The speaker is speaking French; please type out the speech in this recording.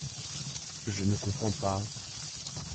Je ne comprends pas. ..